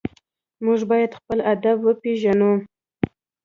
موږ باید خپل ادب وپېژنو.